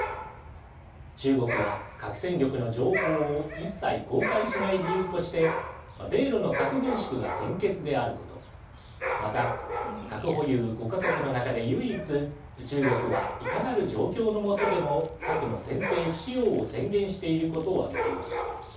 中国は核戦力の情報を一切、公開しない理由として米ロの核軍縮が先決であることまた、核保有５か国の中で唯一中国は、いかなる状況の下でも核の先制不使用を宣言していることを挙げています。